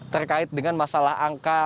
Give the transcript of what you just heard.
terkait dengan masalah pembebasan lahan